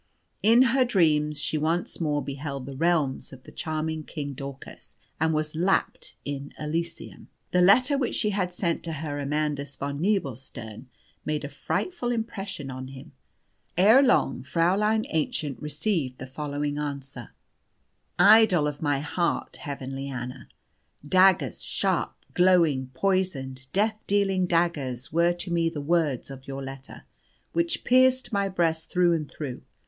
In her dreams she once more beheld the realms of the charming King Daucus, and was lapped in Elysium. The letter which she had sent to Herr Amandus von Nebelstern made a frightful impression on him. Ere long, Fräulein Aennchen received the following answer 'IDOL OF MY HEART, HEAVENLY ANNA, "Daggers sharp, glowing, poisoned, death dealing daggers were to me the words of your letter, which pierced my breast through and through.